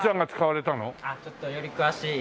ちょっとより詳しい。